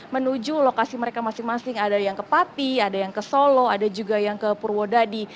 menuju lokasi mereka masing masing ada yang ke pati ada yang ke solo ada juga yang ke purwodadi